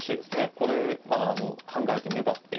ここでまだ考えて粘って。